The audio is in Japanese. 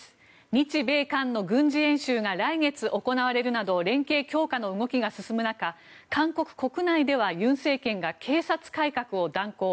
日米韓の軍事演習が来月、行われるなど連携強化の動きが進む中韓国国内では尹政権が警察改革を断行。